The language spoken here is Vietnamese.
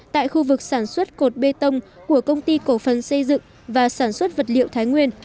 tại khu vực sản xuất cột bê tông của công ty cổ phần xây dựng và sản xuất vật liệu thái nguyên